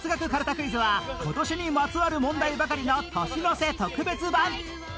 クイズは今年にまつわる問題ばかりの年の瀬特別版